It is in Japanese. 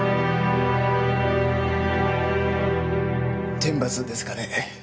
天罰ですかね。